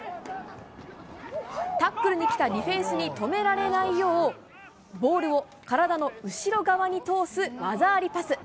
タックルに来たディフェンスに止められないよう、ボールを体の後ろ側に通す技ありパス。